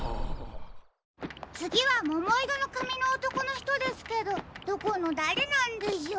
つぎはももいろのかみのおとこのひとですけどどこのだれなんでしょう？